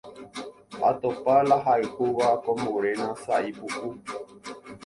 atopa la ahayhúva ko morena sái puku